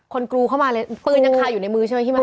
กรูเข้ามาเลยปืนยังคาอยู่ในมือใช่ไหมพี่มั